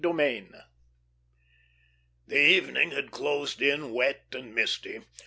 CONCLUSION The evening had closed in wet and misty.